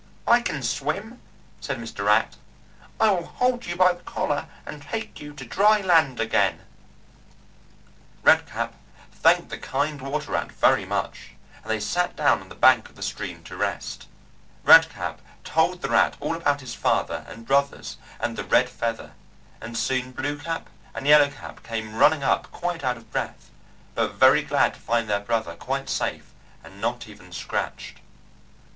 "I can swim," said Mr. Rat. "I will hold you by the collar and take you to dry land again." Red Cap thanked the kind water rat very much, and they sat down on the bank of the stream to rest. Red Cap told the rat all about his father and brothers and the Red Feather, and soon Blue Cap and Yellow Cap came running up, quite out of breath, but very glad to find their brother quite safe and not even scratched.